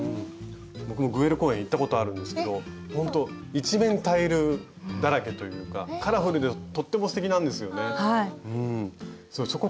僕もグエル公園行ったことあるんですけどほんと一面タイルだらけというかカラフルでとってもすてきなんですよね。